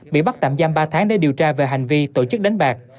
bị bắt tạm giam ba tháng để điều tra về hành vi tổ chức đánh bạc